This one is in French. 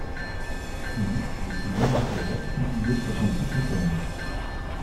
Une liste de ses liens d’intérêts est publiée sur son site internet.